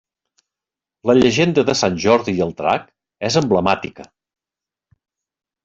La Llegenda de Sant Jordi i el Drac és emblemàtica.